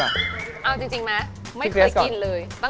กินเลยครับ